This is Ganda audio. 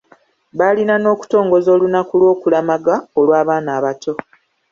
Baalina n’okutongoza olunaku lw’okulamaga olw’abaana abato.